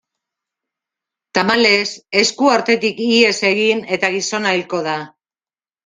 Tamalez, esku artetik ihes egin eta gizona hilko da.